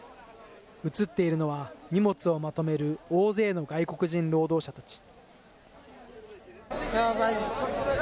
映っているのは、荷物をまとめる大勢の外国人労働者たち。